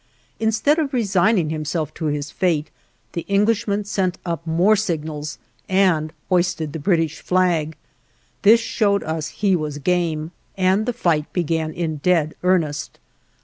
Instead of resigning himself to his fate, the Englishman sent up more signals and hoisted the British flag. This showed us he was game, and the fight began in dead earnest.